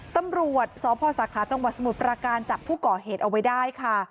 ตำรวจสพสาขาจังหวัดสมุทรปราการจับผู้ก่อเหตุเอาไว้ได้ค่ะ